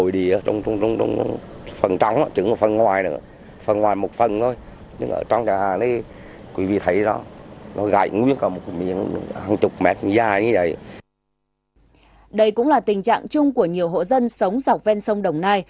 đây cũng là tình trạng chung của nhiều hộ dân sống dọc ven sông đồng nai